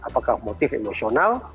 apakah motif emosional